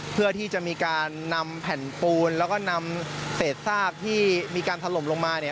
เพื่อที่จะมีการนำแผ่นปูนแล้วก็นำเศษซากที่มีการถล่มลงมาเนี่ย